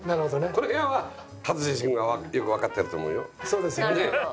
この辺は一茂君がよくわかってると思うよ。